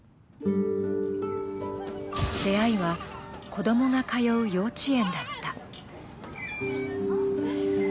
出会いは子供が通う幼稚園だった。